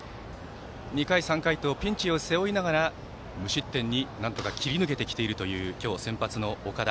２回、３回とピンチを背負いながら無失点になんとか切り抜けてきているという今日、先発の岡田。